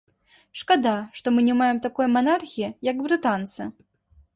Шкада, што мы не маем такой манархіі, як брытанцы.